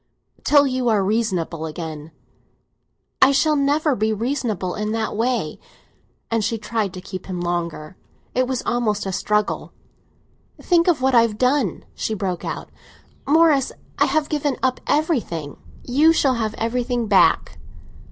"Till you are reasonable again." "I shall never be reasonable in that way!" And she tried to keep him longer; it was almost a struggle. "Think of what I have done!" she broke out. "Morris, I have given up everything!" "You shall have everything back!"